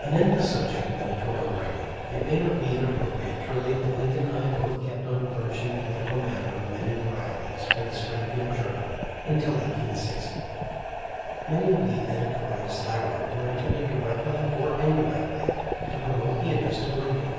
Anent the subject of editorial writing it may not be inappropriate to relate that Lincoln and I both kept on furnishing political matter of many varieties for the Springfield Journal until 1860. Many of the editorials that I wrote were intended directly or indirectly to promote the interest of Lincoln.